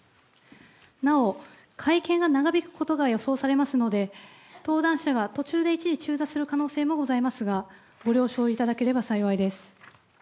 なお会見が長引くことが予想されますので、登壇者が途中で一時中座する可能性もございますが、ご了承いただければ幸いです。